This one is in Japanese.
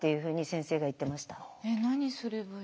えっ何すればいいの？